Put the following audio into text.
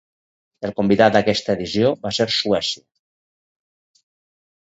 El convidat d’aquesta edició va ser Suècia.